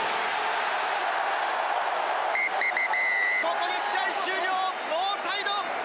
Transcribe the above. ここで試合終了、ノーサイド。